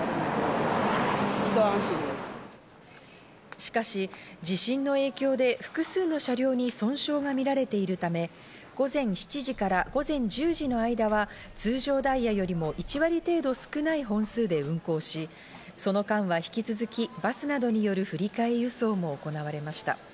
しかし地震の影響で複数の車両に損傷が見られているため、午前７時から午前１０時の間は通常ダイヤよりも１割程度少ない本数で運行し、その間は引き続きバスなどにより振り替え輸送も行われました。